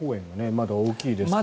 まだ大きいんです。